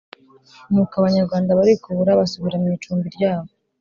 Nuko Abanyarwanda barikubura basubira mu i cumbi rya bo